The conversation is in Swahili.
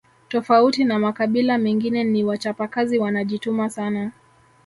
Tofauti na makabila mengine ni wachapakazi wanajituma sana